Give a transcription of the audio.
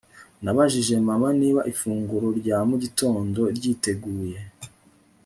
Nabajije mama niba ifunguro rya mu gitondo ryiteguye